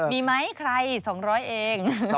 มีไหมใคร๒๐๐เอง